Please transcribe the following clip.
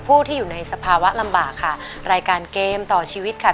ผู้ที่อยู่ในสภาวะลำบากค่ะรายการเกมต่อชีวิตค่ะ